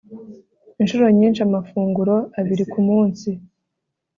Inshuro nyinshi amafunguro abiri ku munsi